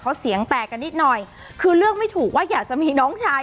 เพราะเสียงแตกกันนิดหน่อยคือเลือกไม่ถูกว่าอยากจะมีน้องชาย